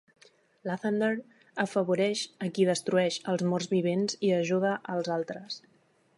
Lathander afavoreix a qui destrueix els morts vivents i ajuda als altres.